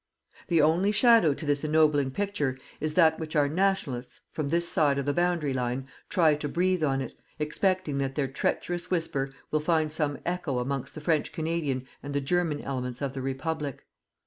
The only shadow to this ennobling picture is that which our Nationalists, from this side of the boundary line, try to breathe on it, expecting that their treacherous whisper will find some echo amongst the French Canadian and the German elements of the Republic.